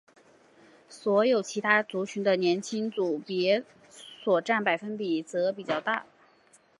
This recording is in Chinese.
所有其他族群的年轻组别所占的百分比则比较大。